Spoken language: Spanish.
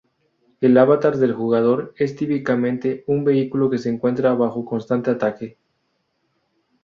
El avatar del jugador es típicamente un vehículo que se encuentra bajo constante ataque.